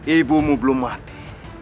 ibumu belum mati